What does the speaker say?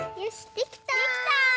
できた！